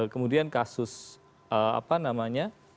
kemudian kasus apa namanya